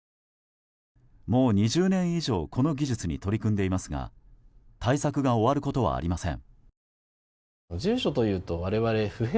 もう２０年以上この技術に取り組んでいますが対策が終わることはありません。